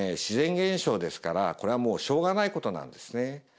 自然現象ですからこれはもうしょうがないことなんですね